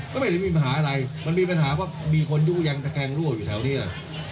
ก็ไม่มีปัญหาอะไรมันมีปัญหาว่ามีคนอยู่ยังแกงรั่วอยู่แถวนี้อ่ะ